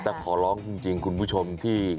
แต่ขอร้องจริงคุณผู้ชมที่